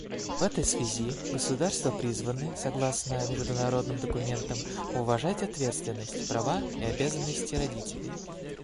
В этой связи государства призваны, согласно международным документам, уважать ответственность, права и обязанности родителей.